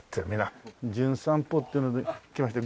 『じゅん散歩』ってので来ました